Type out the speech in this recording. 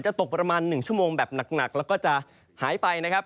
ตกประมาณ๑ชั่วโมงแบบหนักแล้วก็จะหายไปนะครับ